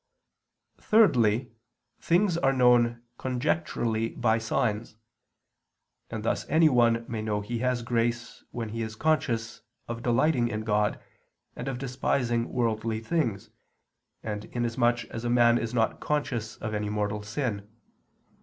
Thirdly, things are known conjecturally by signs; and thus anyone may know he has grace, when he is conscious of delighting in God, and of despising worldly things, and inasmuch as a man is not conscious of any mortal sin.